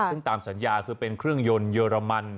ซึ่งตามสัญญาคือเป็นเครื่องยนต์เยอรมัน